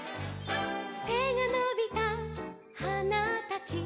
「せがのびたはなたち」